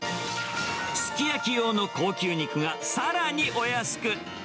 すき焼き用の高級肉がさらにお安く。